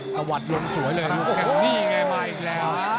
ตะวัดลงสวยเลยอยู่แถวนี้ไงมาอีกแล้ว